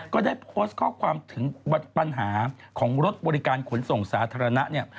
ก็ได้โพสต์ข้อความถึงปัญหาของรถบริการขนส่งสาธารณะเนี่ย